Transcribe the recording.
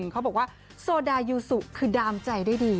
เขาบอกว่าโซดายูสุคือดามใจได้ดี